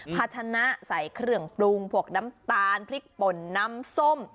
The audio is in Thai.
ภาชนะใส่เครื่องปรุงพวกน้ำตาลพริกป่นน้ำส้ม